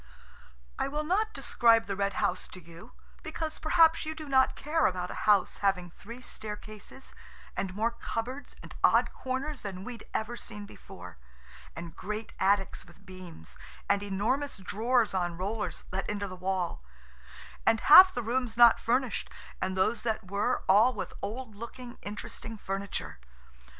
I will not describe the Red House to you–because perhaps you do not care about a house having three staircases and more cupboards and odd corners than we'd ever seen before, and great attics with beams, and enormous drawers on rollers, let into the wall–and half the rooms not furnished, and those that were all with old looking, interesting furniture.